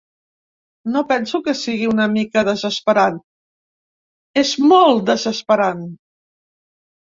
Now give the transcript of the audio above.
No penso que sigui una mica desesperant, és molt desesperant.